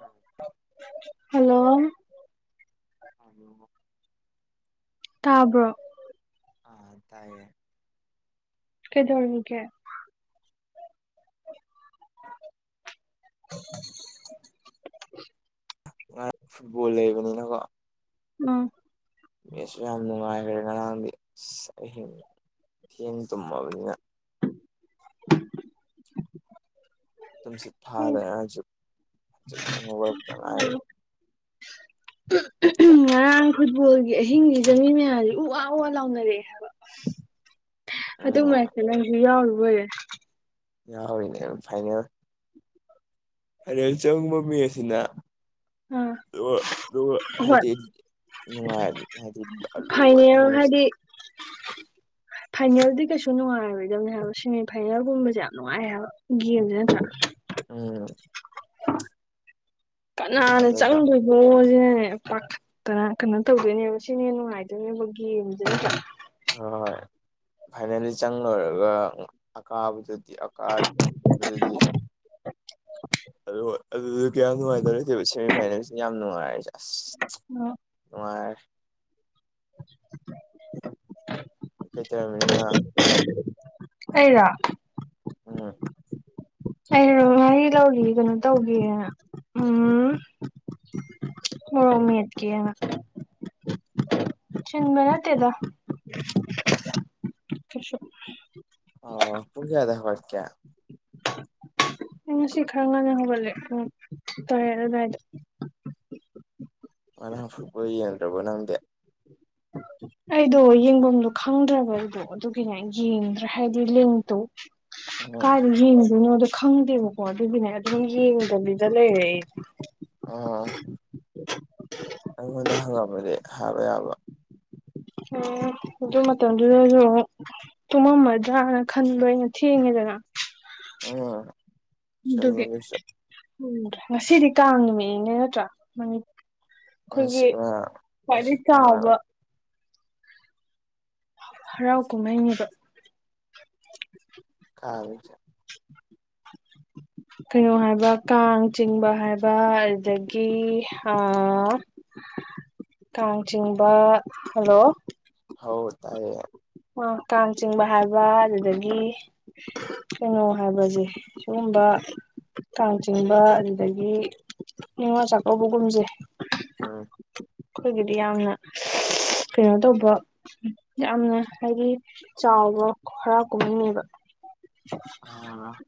ꯎꯝ hello ꯑ ꯇꯥꯕ꯭ꯔꯣ ꯑ ꯇꯥꯏꯌꯦ ꯀꯩꯗꯣꯦ [unintelligible] ꯉꯥꯡ ꯐꯨꯠꯕꯣꯜ ꯂꯩꯕꯅꯤꯅꯀꯣ ꯎ ꯃꯤꯁꯨ ꯌꯥꯝ ꯅꯨꯡꯉꯥꯏꯈ꯭ꯔꯦ ꯉꯔꯥꯡꯗꯤ ꯑꯁ ꯑꯍꯤꯡ ꯊꯦꯡ ꯇꯨꯝꯃꯕꯅꯤꯅ [unintelligible] ꯑꯗꯨꯨꯝꯁꯤꯠ ꯐꯥꯔꯦ ꯍꯧꯖꯤꯛ ꯍꯧꯖꯤꯛꯇꯪꯗꯕ ꯑ ꯐꯨꯠꯕꯣꯜꯒꯤ ꯑꯍꯤꯡꯒꯤꯁ ꯃꯤ ꯃꯌꯥꯝꯁꯦ ꯎ ꯋꯥ ꯋꯥ ꯂꯥꯎꯅꯔꯛꯑꯦ ꯍꯥꯏꯕ ꯑꯗꯨ ꯎꯝ ꯉꯥꯏꯀꯦ ꯅꯪꯁꯨ ꯌꯥꯎꯔꯨꯕꯣꯏꯔꯦ ꯌꯥꯎꯔꯤꯅꯦ ꯐꯥꯏꯅꯦꯜ ꯍꯣꯔꯦꯟ ꯆꯪꯕ ꯃꯤ ꯑꯁꯤꯅ ꯑꯥ ꯍꯣꯏ ꯍꯥꯏꯗꯤ ꯅꯨꯡꯉꯥꯏ ꯐꯥꯏꯅꯦꯜ ꯍꯥꯏꯗꯤꯜꯂꯨꯦꯡ [unintelligible] ꯐꯥꯏꯅꯦꯜꯗꯤ ꯀꯩꯁꯨ ꯅꯨꯡꯉꯥꯏꯔꯔꯣꯏꯗꯗꯝꯅꯦ ꯍꯥꯏꯕ ꯁꯦꯃꯤꯐꯥꯏꯅꯦꯜꯒꯨꯝꯕꯁꯦ ꯌꯥꯝ ꯅꯨꯡꯉꯥꯏ ꯍꯥꯏꯕ ꯖ ꯎꯝ ꯌꯥꯝ ꯀꯅꯥꯅꯦ ꯆꯪ ꯊꯥꯖꯗ ꯑꯣ ꯁꯤꯅ ꯄꯥꯈꯠꯇꯅ ꯀꯩꯅꯣ ꯇꯧꯗꯣꯏꯅꯦꯕ ꯁꯤꯅꯦ ꯅꯨꯡꯉꯥꯏꯗꯣꯏꯅꯦꯕ ꯒꯦꯝꯁ ꯍ ꯍꯣꯏ ꯐꯥꯏꯅꯦꯜꯂꯤ ꯆꯪ ꯂꯣꯏꯔꯒ ꯑꯀꯥꯕꯗꯨ ꯑꯀꯥꯕꯗꯨꯗꯤ [unintelligible] ꯑ ꯍꯣꯏ ꯑꯗꯨꯗꯤ ꯀꯌꯥꯝ ꯅꯨꯡꯉꯥꯏꯇꯔꯒꯦꯕ ꯁꯦꯃꯤꯐꯥꯏꯅꯦꯜꯁꯤꯅ ꯌꯥꯝ ꯅꯨꯡꯉꯥꯏꯔꯁꯦ ꯑꯣ ꯑꯥꯏ [unintelligible] ꯀꯩ ꯆꯃꯤꯅꯤꯅ ꯑꯩꯩꯔ ꯎꯝ ꯑ ꯉ ꯂꯧꯔꯤ ꯀꯩꯅꯣ ꯇꯧꯈꯤ ꯎꯝ ꯍ ꯎꯃꯤꯠꯀꯤ ꯆꯤꯟꯕ ꯅꯇꯦꯗ ꯑꯣ ꯄꯨꯨꯡꯀꯌꯥꯗ ꯋꯥꯒꯛꯀ ꯑꯩ ꯉꯁꯤ ꯈꯔ ꯉꯟꯅ ꯍꯧꯒꯠꯂꯦ ꯎ ꯇꯧꯔꯦ ꯑꯗꯨꯗꯥꯋꯥꯏꯗ ꯉꯔꯥꯡ ꯐꯨꯠꯄ ꯌꯦꯡꯗ꯭ꯔꯕꯣ ꯅꯪꯗꯤꯦ ꯑꯩꯗꯣ ꯌꯦꯡꯐꯝꯗꯣ ꯈꯪꯗ꯭ꯔꯕ ꯑꯩꯗꯣ ꯑꯗꯨꯒꯤꯅꯦ ꯌꯦꯡꯗ꯭ꯔ ꯍꯥꯏꯕꯗꯤ ꯂꯦꯡꯇꯣ ꯎꯝ ꯀꯥꯏꯗ ꯌꯦꯡꯗꯣꯏꯅꯣꯗꯣ ꯈꯪꯗꯦꯕꯀꯣ ꯑꯗꯨꯗꯤꯅꯦ ꯑꯗꯨꯝ ꯌꯦꯡꯗꯕꯤꯗ ꯂꯩꯔꯦ ꯑꯩꯁ ꯑꯥ ꯑꯩꯉꯣꯟꯗ ꯍꯪꯉꯝꯃꯗꯤ ꯍꯥꯏꯕ ꯌꯥꯕ ꯑꯣ ꯑꯗꯨ ꯃꯇꯝꯗꯨꯗꯁꯨ ꯑꯃꯥꯛ ꯇꯨꯝꯃꯝꯃꯗ꯭ꯔꯥꯅ ꯈꯟꯕꯣꯏꯩꯅ ꯊꯦꯡꯉꯦꯗꯅ ꯎꯝ ꯑꯗꯨꯒꯤ ꯆꯨꯝꯃꯤꯅꯦ ꯆꯨꯝ ꯎꯝꯗ꯭ꯔꯦ ꯉꯁꯤꯗꯤ ꯀꯥꯡ ꯅꯨꯃꯤꯠꯅꯤꯅꯦ ꯅꯠꯇ꯭ꯔꯥ ꯉꯁꯤ ꯑꯩꯈꯣꯏꯒꯤ ꯈ꯭ꯋꯥꯏꯗꯒꯤꯩ ꯀꯥꯕꯁꯦ ꯆꯥꯎꯕ ꯍꯔꯥꯎ ꯀꯨꯝꯍꯩꯅꯦꯕ ꯀꯥꯡꯁꯦ ꯀꯩꯅꯣ ꯍꯥꯏꯕ ꯀꯥꯡ ꯆꯤꯡꯕ ꯍꯥꯏꯕ ꯑꯗꯨꯗꯒꯤ ꯀꯥꯡꯆꯤꯡꯕ ꯍꯜꯂꯣ ꯍ ꯇꯌꯦ ꯑ ꯀꯥꯡ ꯆꯤꯡꯕ ꯍꯥꯏꯕ ꯑꯗꯨꯗꯒꯤ ꯀꯩꯅꯣ ꯍꯥꯏꯕꯁꯦ ꯁꯤꯒꯨꯝꯕ ꯀꯥꯡ ꯆꯤꯡꯕ ꯑꯗꯨꯗꯒꯤ ꯅꯤꯡꯅꯤꯉꯣꯜ ꯆꯥꯛꯀꯧꯕꯒꯨꯝꯁꯦ ꯎꯝ ꯑꯩꯈꯣꯏꯒꯤꯗꯤ ꯌꯥꯝꯅ ꯀꯩꯅꯣ ꯇꯧꯕ ꯌꯥꯝꯅ ꯍꯥꯏꯗꯤ ꯆꯥꯎꯕ ꯈꯔ ꯀꯨꯝꯍꯉꯕ ꯑꯥ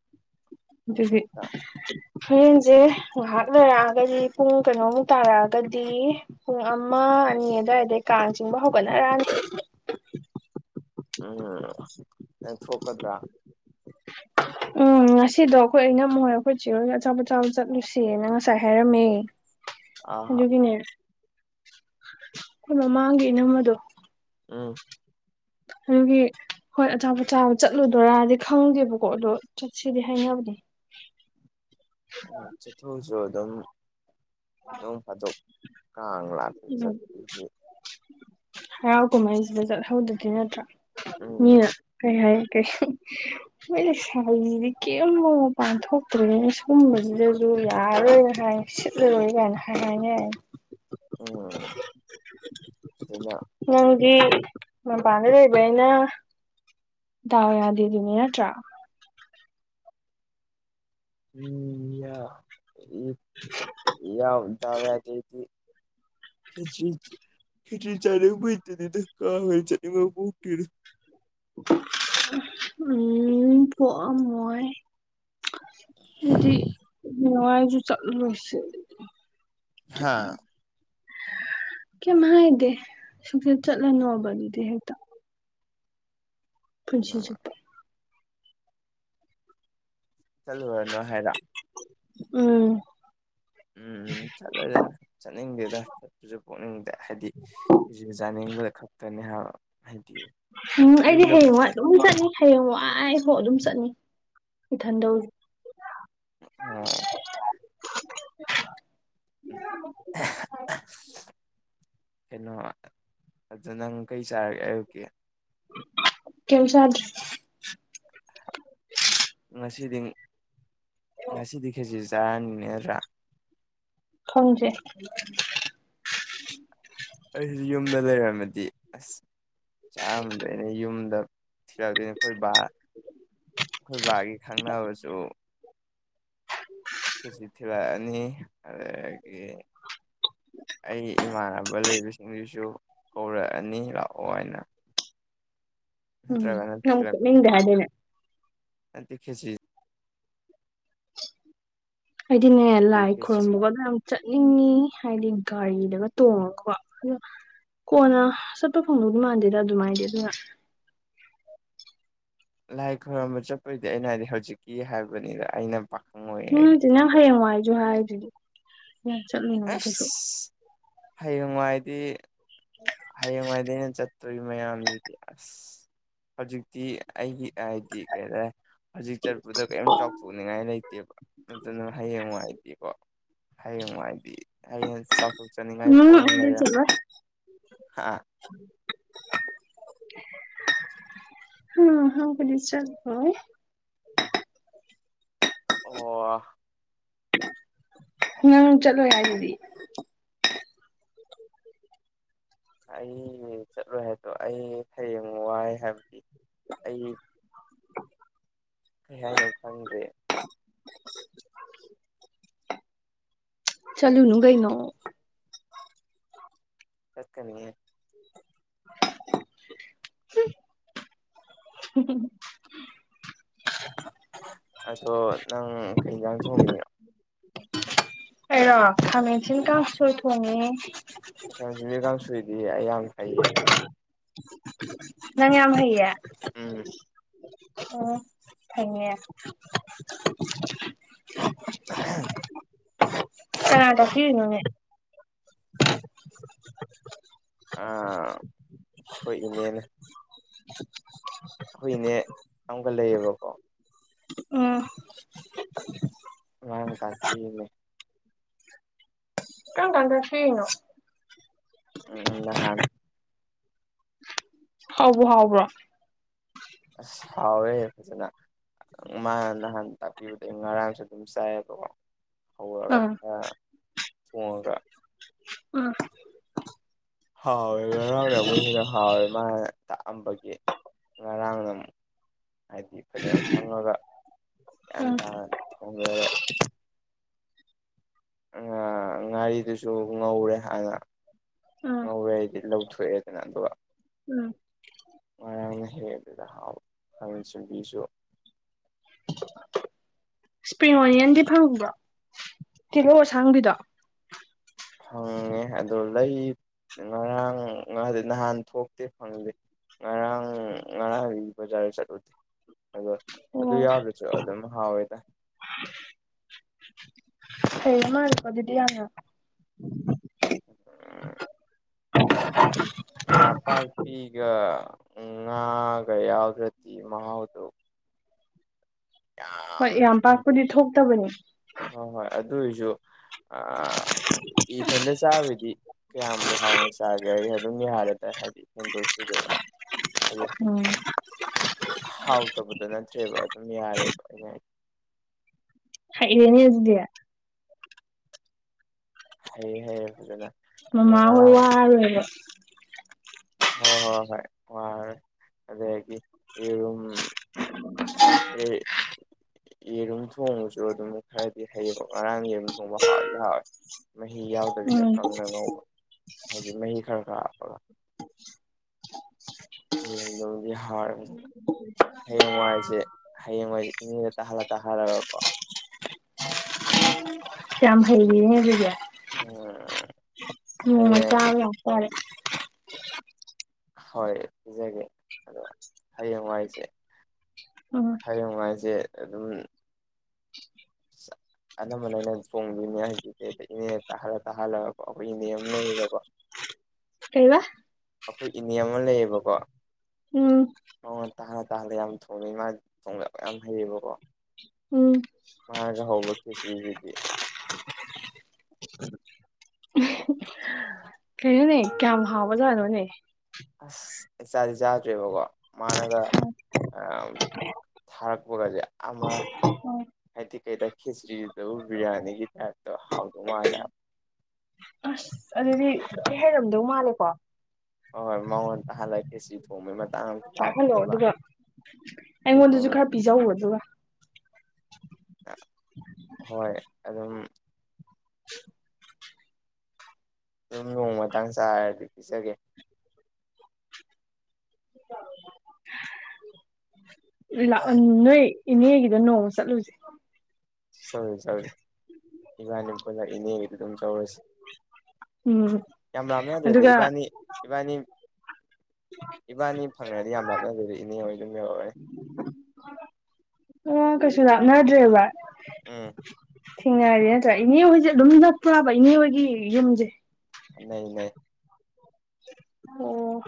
ꯑꯗꯨꯒꯤ ꯍꯣꯔꯦꯟꯁꯦ ꯉꯥꯏꯍꯥꯛ ꯂꯩꯔꯛꯑꯒꯗꯤ ꯄꯨꯡ ꯀꯩꯅꯣꯃꯨꯛ ꯇꯥꯔꯛꯑꯒꯗꯤ ꯄꯨꯡ ꯑꯃ ꯑꯅꯤ ꯑꯗꯨꯋꯥꯏꯗꯩ ꯀꯥꯡ ꯆꯤꯡꯕ ꯍꯧꯒꯠꯅꯔꯥꯟꯅꯤ ꯎꯝ ꯅꯪ ꯊꯣꯛꯀꯗ꯭ꯔꯥ [inaudible] ꯎꯝ ꯉꯁꯤꯗꯣ ꯑꯩꯈꯣꯏ ꯑꯩꯅ ꯃꯣꯏ ꯑꯩꯈꯣꯏ ꯆꯤꯔꯣꯏꯗ ꯑꯆꯥꯄ ꯑꯣꯆꯥꯕ ꯆꯠꯂꯨꯁꯦꯅ ꯉꯁꯥꯏ ꯍꯥꯏꯔꯝꯃꯦ ꯑꯥ ꯑꯗꯨꯒꯤꯅꯦ ꯑꯩꯈꯣꯏ ꯃꯃꯥꯡꯒꯤꯦ ꯅꯃꯗꯣ ꯎꯝ ꯑꯗꯨꯒꯤ ꯍꯣꯏ ꯑꯆꯥꯄꯣꯆꯥꯕ ꯆꯠꯂꯨꯗꯣꯏꯔꯗꯤ ꯈꯪꯗꯦꯕꯀꯣ ꯑꯗꯣ ꯆꯠ ꯁꯤꯗ ꯍꯥꯏꯅꯕꯗꯦ ꯆꯊꯨꯁꯨ ꯑꯗꯨꯝ ꯑꯗꯨꯣꯡ ꯐꯥꯗꯣꯛ ꯀꯥꯡ ꯂꯥꯛꯄ ꯎꯝ ꯆꯠꯄꯒꯤ ꯍꯔꯥꯎ ꯀꯨꯝꯍꯩꯁꯤꯗ ꯆꯠꯍꯧꯗꯗꯤ ꯅꯠꯇ꯭ꯔꯥ ꯎꯝ ꯃꯤꯅ ꯀꯩ ꯍꯥꯏ ꯀꯩ ꯃꯣꯏꯗꯤ ꯁꯥꯏꯁꯤꯗꯤ ꯀꯔꯤꯝ ꯃ ꯄꯥꯡꯊꯣꯛꯇ꯭ꯔꯦꯅ ꯁꯨꯝꯕꯁꯤꯗꯁꯨ ꯌꯥꯔꯣꯏ ꯍꯥꯏ ꯂꯨꯏꯒꯅ ꯍꯥꯏꯅꯤ ꯎꯝ ꯑꯗꯨꯅ ꯅꯪꯗꯤ ꯃꯄꯥꯟꯗ ꯂꯩꯕ ꯑꯩꯅ ꯇꯗꯥ ꯌꯥꯗꯗꯨꯅꯦ ꯅꯠꯇ꯭ꯔꯥ ꯎꯝ ꯌꯥ ꯌꯥ ꯗꯏꯕꯦꯗꯗꯤ ꯈꯦꯆꯤ ꯈꯦꯆꯤ ꯆꯅꯥꯡꯕꯥꯏ [unintelligible] ꯎꯝ ꯄꯥꯛ ꯑꯝꯃꯣꯏ ꯑꯗꯨꯗꯤ ꯅꯨꯡꯉꯥꯏꯁꯨ ꯆꯠꯂ ꯂꯣꯏꯁꯦ ꯑꯗꯨꯗꯤ [inaudible] ꯍꯥ ꯀꯦꯃ ꯏꯗꯦ ꯁꯨꯁꯤ ꯆꯠꯂꯅꯣꯕꯗꯨꯗꯤ ꯍꯦ ꯄꯨꯟꯁꯤ ꯎꯝ ꯆꯨꯞꯄ ꯆꯠꯂꯨꯔꯅ‌ꯣ ꯍꯥꯏꯔ‌ꯣ ꯎꯝ ꯎꯝ ꯆꯠꯂꯣꯏꯗ ꯆꯠꯅꯤꯡꯗꯦꯗ ꯆꯠꯄꯁꯨ ꯄꯣꯛꯅꯤꯡꯗꯦ ꯍꯥꯏꯗꯤ ꯖꯤꯝ ꯖꯥꯅꯤꯡꯕꯈꯛꯇꯅꯦ ꯍꯥꯏꯕ ꯍꯥꯏꯗꯤ ꯎꯝ ꯑꯩꯗꯤ ꯌꯨꯝꯗ ꯄꯨ ꯍꯌ‌ꯦꯡꯋꯥꯏ ꯑꯗꯨꯝ ꯆꯠꯅꯤ ꯍꯌꯦꯡ ꯋꯥꯥꯏ ꯍꯣ ꯑꯗꯨꯝ ꯆꯠꯅꯤ ꯏꯊꯟꯗꯧ [unintelligible] [unintelligible] ꯀꯩꯅꯣ ꯑꯗꯨꯗ ꯅꯪ ꯀꯩ ꯆꯥꯔꯒꯦ ꯑꯌꯨꯛꯀꯤ ꯀꯩꯝ ꯆꯥꯗꯔꯤ ꯉꯁꯤꯗꯤ ꯉꯁꯤꯗꯤ ꯈꯦꯖꯔꯤ ꯆꯥꯔꯅꯤꯅꯦ ꯅꯠꯗ꯭ꯔꯥ ꯈꯪꯗ‌ꯦ ꯑꯩꯖꯨ ꯌꯨꯝꯗ ꯂꯩꯔꯝꯃꯗꯤ ꯑꯁ ꯆꯥꯔꯝꯗ‌ꯣꯏꯅ‌ꯦ ꯌꯨꯝꯗ꯫ ꯊꯤꯔꯛꯇꯩꯅ‌ꯦ ꯑꯩꯈꯣꯏ ꯕꯥ ꯑꯩꯈꯣꯏ ꯕꯥꯒꯤ ꯈꯪꯅꯕꯁꯨ ꯀꯦꯖꯤ ꯊꯤꯔꯛꯑꯅꯤ ꯑꯗꯒꯤ꯫ ꯑꯩ ꯏꯃꯥꯟꯅꯕ ꯂꯩꯕꯁꯤꯡꯗꯨꯁꯨ꯫ ꯀꯧꯔꯛꯑꯅꯤ ꯂꯥꯛꯑꯣ ꯍꯥꯏꯅ ꯅꯠꯇ꯭ꯔꯒꯅ ꯊꯤꯜꯂꯛꯄꯁꯨ [unintelligible] ꯀꯥꯏꯗꯩꯅꯦ꯫ ꯅꯠꯇ‌ꯦ ꯈꯦꯆꯤ꯫ ꯑꯩꯗꯤꯅꯦ ꯂꯥꯏ ꯈꯦꯆꯤ ꯈ‌ꯣꯏꯔꯝꯕꯒꯗ‌ꯣ ꯌꯥꯝ ꯆꯠꯅꯤꯡꯉꯤ ꯍꯥꯏꯗꯤ ꯒꯥꯔꯤꯗꯒ ꯇꯣꯡꯉꯒꯀꯣ ꯗ‌ꯣ ꯀꯣꯟꯅ ꯆꯠꯄ ꯐꯪꯗꯧꯕ ꯃꯥꯟꯗꯦꯗ ꯑꯗꯨꯃꯥꯏꯗꯤ ꯑꯗꯨꯅ꯫ ꯂꯥꯏ ꯈꯣꯏꯔꯝꯕ ꯆꯠꯄꯗꯤ ꯑꯩꯅ ꯍꯥꯏꯗꯤ ꯍꯧꯖꯤꯛꯀꯤ ꯍꯥꯏꯕꯅꯤꯗ ꯑꯩꯅ ꯄꯥꯈꯪ ꯑꯣꯏꯔꯤꯉꯩꯒꯤ ꯏꯊꯣꯟꯗ꯫ ꯅꯨꯡꯉꯥꯏꯖꯨ ꯍꯥꯏꯗꯨꯗꯤ ꯌꯥꯏ ꯆꯠꯂ‌ꯣ ꯑꯁ ꯍꯌꯦꯡꯋꯥꯏꯗꯤ [unintelligible] ꯍꯌꯦꯡꯋꯥꯏꯗꯤ ꯑꯩꯅ ꯆꯠꯇꯣꯔꯤꯕ ꯃꯌꯥꯝꯗꯨꯗꯤ ꯑꯁ ꯍꯧꯖꯤꯛꯇꯤ ꯑꯩꯒꯤ ꯍꯥꯏꯗꯤ ꯀꯩꯔ‌ꯦ ꯍꯧꯖꯤꯛ ꯆꯠꯄꯗ ꯀꯔꯤꯝ ꯆꯥꯎꯊꯣꯛꯅꯤꯡꯉꯥꯏ ꯂꯩꯇꯦꯕ ꯑꯗꯨꯅ ꯍꯌꯦꯡꯋꯥꯏꯗꯤꯀꯣ ꯍꯌꯦꯡꯋꯥꯏꯗꯤ ꯑꯩꯅ ꯆꯥꯎꯊꯣꯛꯆꯅꯤꯡꯉꯥꯏ ꯎꯝ ꯄꯣꯠ ꯑꯃ ꯑꯩꯗꯤ ꯂꯩꯔꯦ ꯆꯠꯂꯣꯏ ꯑꯥ [inaudible] ꯍ ꯑꯍꯥꯎꯕꯗꯤ ꯆꯠꯂ‌ꯣꯏ꯫ ꯑꯣ꯫ ꯅꯪ ꯆꯠꯂꯣꯏ ꯍꯥꯏꯗꯨꯗꯤ꯫ ꯑꯩ ꯆꯠꯂꯣꯏ ꯍꯥꯏꯕꯗꯣ ꯑꯩ ꯍꯌꯦꯡ ꯋꯥꯏ ꯍꯥꯏꯕꯗꯤ ꯑꯩ꯫ [inaudible] ꯀꯩ ꯍꯥꯏꯅ‌ꯣ ꯈꯪꯗ‍꯭ꯔ‌ꯦ ꯆꯠꯂꯨꯅꯨ ꯀꯩꯅ‌ꯣ ꯆꯠꯀꯅꯤꯌꯦ [unintelligible] ꯑꯗꯣ ꯅꯪ ꯀꯩ ꯏꯟꯖꯥꯡ ꯊꯣꯡꯉꯤꯅ‌ꯣ ꯑꯩꯔꯣ ꯈꯥꯃꯦꯟꯁꯤꯟ ꯀꯥꯡꯁ‌ꯣꯏ ꯊꯣꯡꯉꯦ [unintelligible] ꯕꯤ ꯀꯥꯡꯁ‌ꯣꯏꯗꯤ ꯑꯩ ꯌꯥꯝ ꯍꯩꯌꯦ ꯅꯪ ꯌꯥꯝ ꯍꯩꯌ‌ꯦ ꯎꯝ ꯑꯣ ꯐꯩꯌ‌ꯦ [inaudible] ꯀꯅꯥꯇ ꯑꯗꯣ ꯍ ꯅꯅꯦ [inaudible] ꯑꯩꯈꯣꯏ ꯏꯅꯦꯅ ꯑꯩꯈꯣꯏꯏꯅꯦ ꯌꯥꯝꯀ ꯂꯩꯌꯦꯕꯀꯣ ꯎ ꯎ ꯇꯥꯛꯄꯤꯦ ꯀ ꯀꯥꯟꯗ ꯊꯅ ꯎꯝ ꯅꯍꯥꯟ ꯍꯕ꯭ꯔ ꯍꯕ꯭ꯔ ꯑꯁ ꯍꯥꯎꯋꯦ ꯐꯖꯅ ꯃꯥꯅ ꯅꯍꯥꯟ ꯇꯥꯛꯄꯤꯕꯗ ꯑꯩ ꯉꯔꯥꯡꯁꯨ ꯑꯗꯨꯝ ꯆꯥꯏꯑꯕꯀꯣ ꯎꯝ ꯍꯒꯠꯇ ꯊꯣꯡꯉꯒ ꯎ ꯍꯥꯎꯋꯦ ꯍꯔ ꯍꯥꯎꯅ ꯑꯃꯨꯛ ꯍꯦꯟꯅ ꯍꯥꯎꯋꯦ ꯃꯥꯅ ꯇꯥꯛꯑꯝꯕꯒꯤ ꯉꯔꯥꯡꯒꯝ ꯍꯥꯏꯗꯤ ꯐꯖꯅ ꯈꯪꯉꯒ ꯒ꯭ꯌꯥꯟ ꯎꯝ ꯇꯥꯅ ꯊꯣꯡꯖꯔꯦ ꯉꯥꯔꯤꯗꯨꯁꯨ ꯉꯧꯔꯦ ꯍꯥꯟꯅ ꯎꯝ ꯉꯧꯔꯦ ꯍꯥꯏꯗꯤ ꯂꯧꯊꯣꯛꯑꯦ ꯀꯩꯅ ꯑꯗꯨꯒ ꯎꯝ ꯉꯔꯥꯡꯅ ꯍꯦꯛ ꯑꯗꯨꯗ ꯍꯥꯎ ꯍꯪ ꯆꯕꯤꯁꯨ ꯏꯁꯄ꯭ꯔꯤꯡ ꯑꯣꯅꯤꯌꯟꯗꯤ ꯐꯪꯉꯕ꯭ꯔꯣ ꯀꯤꯍꯧ ꯑꯁꯥꯡꯕꯤꯗꯣ ꯐꯪꯉꯦ ꯑꯗꯨ ꯂꯩ ꯉꯔꯥꯡ ꯉꯗꯤ ꯅꯍꯥꯟ ꯊꯣꯛꯇꯦ ꯐꯪꯗꯦ ꯉꯔꯥꯡ ꯉꯔꯥꯡ ꯖꯥꯔꯦ ꯆꯠꯂꯗꯤ ꯑꯗꯣ ꯑꯗꯨ ꯌꯥꯗꯁꯨ ꯑꯗꯨꯝ ꯍꯥꯎꯋꯦꯗ ꯍ ꯃꯥꯜꯀꯣꯗꯤ ꯌꯥ ꯅ ꯄꯥꯛꯄꯤꯤꯒ ꯎ ꯉꯒ ꯌꯥꯎꯗ ꯔꯗꯤ ꯃꯥꯎꯗꯨ ꯍꯣꯏ ꯌꯥꯝ ꯄꯥꯛꯄꯨꯗꯤ ꯊꯣꯛꯇꯕꯅꯤ ꯍꫭ ꯍꯣꯏ ꯑꯗꯨ ꯑꯣꯏꯁꯨ ꯑ ꯏꯊꯟꯗ ꯆꯥꯕꯗꯤ ꯀꯌꯥꯝꯕꯨ ꯍꯥꯎꯅ ꯆꯥꯒꯦ ꯍꯥꯏ ꯑꯗꯨꯝ ꯌꯥꯔꯦ ꯇ ꯍꯥꯏꯗꯤ ꯍꯦꯟꯗꯣꯛ ꯊꫭꯏꯗꫭꯛꯅ ꯍꯥ ꯎꯝ ꯍꯥꯎꯇꯕꯗ ꯅꯠꯇ꯭ꯔꯦꯕ ꯑꯗꯨꯝ ꯌꯥꯔꯦꯕ ꯑꯩꯅ ꯍꯥꯏꯗ ꯍꯩꯔꯅ‌ꯦ ꯑꯗꯨꯗ ꯍꯌꯦ ꯍꯌꯦ ꯐꯖꯅ ꯑꯗꯨꯒ ꯃꯥꯃ ꯍꯥꯏ ꯉꯔꯥꯡ ꯋꯔꯔꫭꯏꯕ ꯍꯣꯏ ꯍꯣꯏ ꯍꯣꯏ ꯋꯥꯔꯦ ꯑꯗꯨꯗꯒꯤ ꯌꯦꯔꯨꯝ ꯌꯦꯔꯨꯝ ꯊꯣꯡꯕꯁꯨ ꯑꯗꯨꯝ ꯈꯔꯗꯤ ꯍꯩꯔꯣ ꯉꯔꯥꯡ ꯌꯦꯔꯨꯝ ꯉ ꯍꯥꯥꯎꯗꯤ ꯍꯥꯎꯋꯦ ꯃꯍꯤ ꯌꯥꯎꯗꯕꯤꯗ ꯎꯝ ꯀꯪꯅ ꯉꯧꯕ ꯍꯥꯏꯗꯤ ꯃꯍꯤ ꯈꯔ ꯈꯔ [inaudible] ꯌꯦꯔꯨꯝꯗꯒꯤ ꯍꯔꯕꯔꯕꯁꯤꯅ ꯍꯌꯦꯡꯋꯥꯏꯁꯦ ꯍꯌꯦꯡꯋꯥꯏꯁꯦ ꯏꯉ ꯇꯂ ꯇꯍꯔ ꯀꯃ ꯍꯩꯒꯕꯤꯒ ꯎꯝ ꯎꯝ ꯍꯌꯦꯡ ꯆꯥꯎ ꯌꯥꯇꯥꯔꯦ ꯍꯣꯏ ꯄꯤꯖꯒꯦ ꯑꯗꯣ ꯍꯌꯦꯡꯋꯥꯏꯁꯦ ꯎꯝ ꯍꯌꯦꯡꯅꯨꯡꯥꯏꯁꯦ ꯑꯗꯨꯝ ꯁ [unintelligible] ꯑꯅꯝꯕꯅ ꯑꯩꯅ ꯆꯣꯡꯕꯤꯅꯤ ꯍꯥꯏꯗꯤ ꯏꯅꯦ ꯇꯥꯍꯜꯂ ꯇꯥꯍꯜꯂꯒꯀꯣ ꯑꯩꯈꯣꯏ ꯏꯅꯦ ꯑꯃ ꯂꯩꯌꯦꯀꯣ ꯀꯩꯕ ꯑꯩꯈꯣꯏ ꯏꯅꯦ ꯑꯃ ꯂꯩꯌꯦꯕꯀꯣ ꯎꯝ ꯃꯉꯣꯟꯗ ꯇꯥꯅ ꯇꯥꯅ ꯌꯥꯝ ꯊꯣꯡꯉꯦ ꯃꯥꯒꯤ ꯊꯣꯡꯗꯕ ꯌꯥꯝ ꯍꯩꯌꯦꯕꯀꯣ ꯎꯝ ꯃꯥꯅꯒ ꯍꯧꯕ ꯈꯦꯇ꯭ꯔꯤꯁꯤꯗꯤ ꯀꯩꯅꯣꯅꯦ ꯀꯌꯥꯝ ꯍꯥꯎꯕꯖꯥꯠꯅꯣꯅꯦ ꯑꯁ ꯑꯩ ꯆꯥꯗꯤ ꯆꯥꯗ꯭ꯔꯦꯕꯀꯣ ꯃꯥꯅꯒ ꯑꯝ ꯊꯔꯛꯄꯒꯖꯦ ꯑꯃ ꯎꯝ ꯍꯥꯏꯗꯤ ꯀꯩꯗ ꯈꯦꯆ꯭ꯔꯤꯗꯨꯗꯕꯨ ꯕꯤ꯭ꯔꯌꯥꯅꯤꯒꯤ ꯇꯥꯏꯞꯇꯣ ꯍꯥꯎꯗꯧ ꯃꯥꯜꯂꯦꯕ ꯑꯁ ꯑꯗꯨꯗꯤ ꯊꯤ ꯍꯩꯔꯝꯗꯧ ꯃꯥꯜꯂꯦꯀꯣ ꯍꯣꯏ ꯍꯣꯏ ꯃꯉꯣꯟ ꯇꯥꯍꯜꯂꯛꯀꯦ ꯈ‌ꯦꯆ꯭ꯔꯤꯊꯣꯡꯕꯒꯤ ꯃꯇꯥꯡ ꯄꯥꯏꯍꯜꯂꯣ ꯂꯥꯛꯈꯤꯅꯦꯕ ꯑꯗꯨꯒ ꯈꯦꯆ꯭ꯔꯤ ꯑꯩꯉꯣꯟꯗꯁꯨ ꯊꯣꯡꯕ ꯈꯔ ꯄꯤꯖꯎ ꯑꯗꯨꯒ ꯍꯣꯏ ꯑꯗꯨꯝ ꯑꯗꯨꯝ ꯅꯣꯡꯃꯥꯡ ꯆꯥꯔꯗꯤ ꯄꯤꯖꯒꯦ ꯅꫭꯏꯂ‌ꯎ ꯅꯣꯏ ꯏꯅꯦꯒꯤꯗ ꯅꯣꯡꯃ ꯆꯠꯂꯨꯁꯦ ꯆꯠꯂꯨꯁ‌ꯦ ꯆꯠꯂꯨꯁ‌ꯦ ꯏꯕꯥꯅꯤ ꯄꯨꯟꯅ ꯏꯅꯦꯒꯤꯗꯨ ꯑꯗꯨꯝ ꯆꯧꯔꯁꯤ ꯎꯝ ꯌꯥꯝ ꯔꯥꯝꯅꯗ꯭ꯔꯦꯗ ꯑꯗꯨꯒ ꯏꯕꯥꯅꯤ ꯏꯕꯥꯅꯤ ꯏꯕꯥꯅꯤ ꯐꯪꯅꯗꯤ ꯌꯥꯝ ꯂꯥꯞꯅꯗ‌ꯦꯗ ꯏꯅꯦ ꯍꯣꯏ ꯑꯗꯨꯝ ꯌꯧꯔꯅꯤ ꯑꯣ ꯀꯁꯨ ꯂꯥꯛꯅꯗ꯭ꯔꯦꯕ ꯎꯝ ꯊꯦꯡꯅꯔꯗꯤ ꯅꯠꯇ꯭ꯔꯥ ꯏꯅꯦ ꯍꯣꯏꯁꯦ ꯑꯗꯨꯝ ꯅꯛꯄ꯭ꯔꯥꯕ ꯏꯅꯦ ꯍꯣꯏꯒꯤ ꯌꯨꯝꯁꯦ ꯅꯩ-ꯅꯩ ꯑꯣ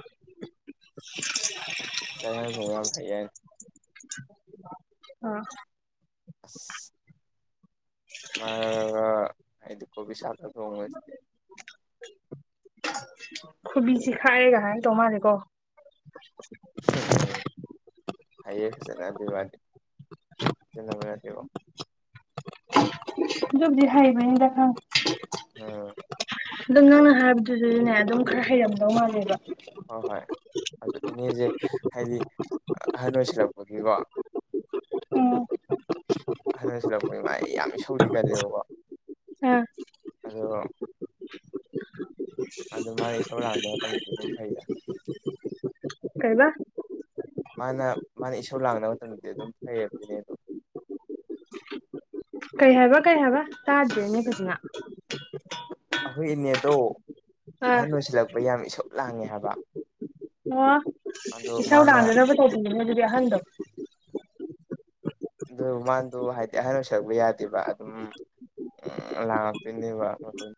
[unintelligible] ꯆꯥꯛ ꯍ‌ꯦꯟꯖꯥꯡ ꯊꫭꯡꯕ ꯌꯥꯝ ꯍꯩ ꯑꫭ ꯑꯁ ꯃꯥꯅꯒꯒꯥ ꯍꯥꯏꯗ ꯀꫭꯕꯤ ꯁꯥꯛꯀ ꯊꫭꯡꯕꯁꯤꯗ ꯈꯨꯕꯤ ꯆꯦꯈꯥꯏꯔꯦꯒ ꯍꯥꯏꯔꯛ ꯇꯧ ꯃꯥꯜꯂꯦꯀꯣ [inaudible] ꯎꯝ ꯍꯥꯏꯌꯦ ꯐꯖꯗꯦꯕꯗꯤ ꯁꯤꯖꯤꯕꯗꯦꯕꯣ ꯍꯏ ꯃ ꯗꯥ ꯎꯝ ꯑꯗꯣ ꯉꯪꯅ ꯍꯥꯏꯕꯗꯨꯗꯗꯤꯅꯦ ꯑꯗꯨꯝ ꯈꯔ ꯍꯩꯔꯝꯗꯧ ꯃꯥꯜꯂꯦꯕ ꯍꯣꯏ ꯍꯣꯏ ꯑꯗꯨ ꯏꯅꯦꯁꯦ ꯍꯥꯏꯗꯤ ꯑꯍꯟ ꯑꯣꯏꯁꯤꯜꯂꯛꯄꯒꯤꯀꯣ ꯎꯝ ꯍꯟꯁꯤꯜꯂꯛꯄꯅꯤ ꯃꯥ ꯑꯩ ꯌꯥꯝ ꯁꯧꯗꯤ ꯀꯜꯂꯦꯕꯀꯣ ꯑꯥ ꯑꯗꯣ ꯑꯗꯨ ꯃꯥꯅꯦ ꯁ ꯂꯗ ꯃꯇꯝꯗꯗꯤ ꯑꯗꯨꯝ ꯐꯩꯗ ꯀꯩꯕ ꯃꯥꯅ ꯃꯥꯅ ꯏꯁꯧ ꯂꯥꯡꯅꯕ ꯃꯇꯝꯗꯗꯤ ꯑꯗꯨꯝ ꯐꯩꯌꯦꯕ ꯏꯅꯦꯗꫭ ꯀꯩ ꯍꯥꯏꯕ ꯀꯩ ꯍꯥꯏꯕ ꯇꯥꯗ꯭ꯔꯦꯅꯦ ꯐꯖꯅ ꯑꯩꯈꯣꯏ ꯏꯅꯦꯗꯣ ꯑꯥ ꯑꯍꯟ ꯑꯣꯏꯁꯤꯜꯂꯛꯄꯒꯤ ꯌꯥꯝ ꯏꯁꯧ ꯂꯥꯡꯉꯦ ꯍꯥꯏꯕ ꯑꯣ ꯑꯗꯣ ꯏꯁꯧ ꯃꯥꯅ ꯂꯥꯡꯗꯅꯕ ꯇꯧꯁꯟꯂꯨꯍ‌ꯦ ꯑꯗꯨꯗꯤ ꯑꯍꯟꯗꯣ ꯑꯗꯨ ꯃꯗꯣ ꯍꯥꯏꯗꯤ ꯑꯍꯟ ꯑꯣꯏꯁꯟꯂꯛꯄꯒꯤ ꯌꯥꯗꯦꯕ ꯑꯗꯨꯝ ꯎꯝ ꯂꯥꯡꯉꯛꯇꫭꯏꯅꯕ ꯑꯗꯨꯝ